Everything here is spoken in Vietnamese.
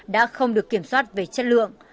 đã không được kiểm soát về chất lượng